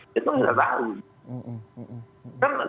itu nggak tahu